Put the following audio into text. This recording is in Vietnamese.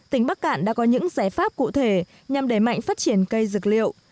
tỉnh bắc cạn đã có những giải pháp cụ thể nhằm đẩy mạnh phát triển cây dược liệu